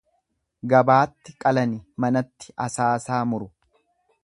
Gabaatti qalani manatti asaasaa muru.